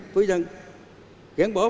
với dân kén bỏ